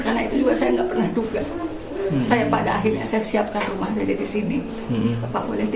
bapak boleh tinggal di sini